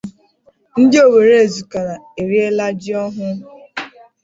Ndị Owerre-Ezukala Eriela Ji Ọhụụ